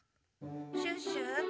シュッシュ